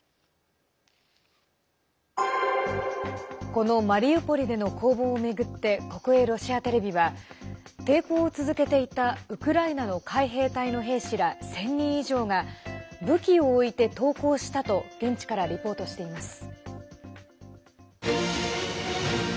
このマリウポリでの攻防を巡って国営ロシアテレビは抵抗を続けていたウクライナの海兵隊の兵士ら１０００人以上が武器を置いて投降したと現地からリポートしています。